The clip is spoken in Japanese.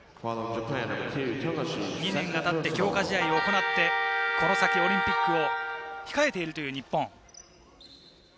２年が経って強化試合を行って、この先オリンピックを控えているという日本。